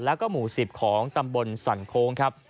แล้วก็หมู่๑๐ของตำบลสั่นโค้งครับ